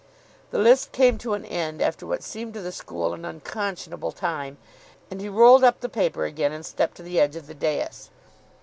The list came to an end after what seemed to the school an unconscionable time, and he rolled up the paper again, and stepped to the edge of the dais.